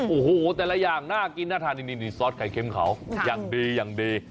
โอ้โหแต่ละอย่างน่ากินน่าทานสวดไข่เค็มขาวยังดียังดี